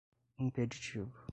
impeditivo